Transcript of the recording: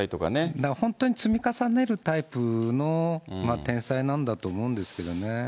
だから本当に積み重ねるタイプの天才なんだと思うんですけどね。